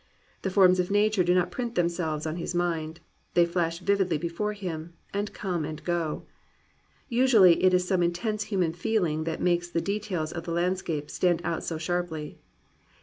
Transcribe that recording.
The forms of nature do not print themselves on his mind; they flash vividly before him, and come and go. Usually it is some intense human feeling that makes the details of the landscape stand out so sharply.